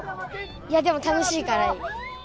いやでも、楽しいからいい。